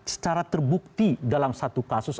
secara terbukti dalam satu kasus